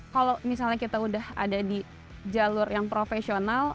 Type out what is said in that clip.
kalau misalnya kita udah ada di jalur yang profesional